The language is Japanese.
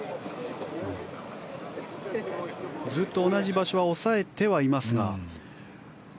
ずっと同じ場所は押さえてはいますが。